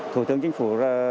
thủ tướng chính phủ